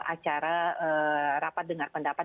acara rapat pendapat